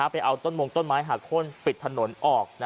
ไปเอาต้นมงต้นไม้หักโค้นปิดถนนออก